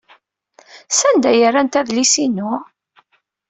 Sanda ay rrant adlis-inu?